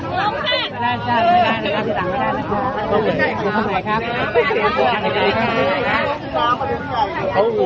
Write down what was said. พี่ไก่มาตรงกลางด้วยค่ะ